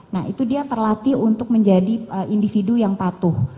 nah itu dia terlatih untuk menjadi individu yang patuh